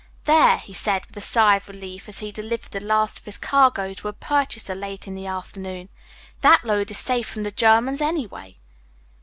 "There!" he said with a sigh of relief as he delivered the last of his cargo to a purchaser late in the afternoon; "that load is safe from the Germans, anyway."